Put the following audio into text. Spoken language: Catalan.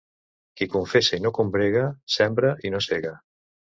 Qui confessa i no combrega, sembra i no sega.